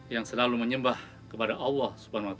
yang selalu menyembah kepada allah swt